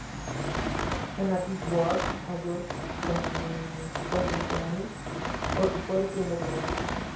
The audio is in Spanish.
En la "Billboard" Adult Contemporary, ocupó el primer lugar.